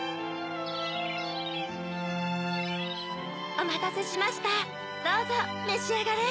おまたせしましたどうぞめしあがれ。